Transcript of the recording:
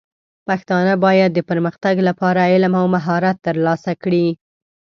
پښتانه بايد د پرمختګ لپاره علم او مهارت ترلاسه کړي.